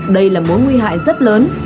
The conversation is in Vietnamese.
đây là mối nguy hại rất lớn